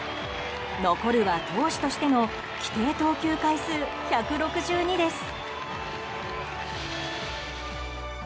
残るは投手としての規定投球回数１６２です。